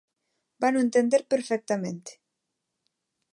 Vano entender perfectamente.